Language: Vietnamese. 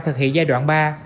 thực hiện giai đoạn ba